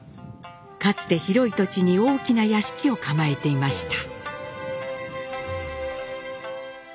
かつて広い土地に大きな屋敷を構えていました。